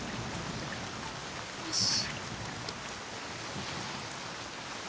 よし。